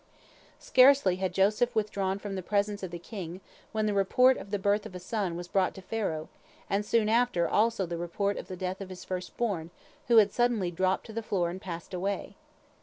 Scarcely had Joseph withdrawn from the presence of the king, when the report of the birth of a son was brought to Pharaoh, and soon after also the report of the death of his first born, who had suddenly dropped to the floor and passed away.